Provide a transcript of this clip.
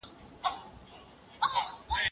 • تر خپل عاید زیات مصرف مه کوه.